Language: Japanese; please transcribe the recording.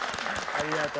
ありがとう。